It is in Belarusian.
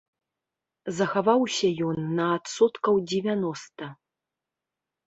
Захаваўся ён на адсоткаў дзевяноста.